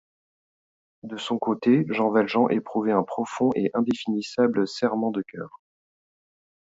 De son côté, Jean Valjean éprouvait un profond et indéfinissable serrement de coeur.